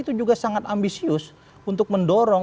itu juga sangat ambisius untuk mendorong